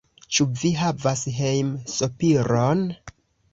Ĉu vi havas hejmsopiron?